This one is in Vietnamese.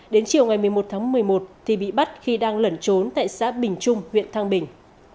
đến chiều ngày một mươi một tháng một mươi một thì bị bắt khi đang lẩn trốn tại xã bình trung huyện thang bình